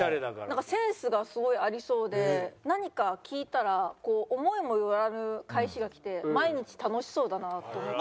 なんかセンスがすごいありそうで何か聞いたら思いも寄らぬ返しがきて毎日楽しそうだなと。